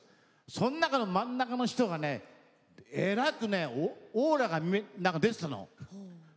その中の真ん中の人がねえらくオーラが出ていたの。